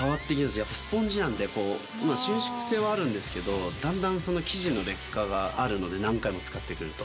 やっぱスポンジなんで、こう、収縮性はあるんですけど、だんだん生地の劣化があるので、何回も使ってくると。